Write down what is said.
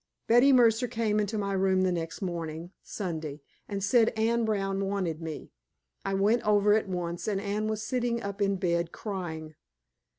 Betty Mercer came into my room the next morning, Sunday, and said Anne Brown wanted me. I went over at once, and Anne was sitting up in bed, crying.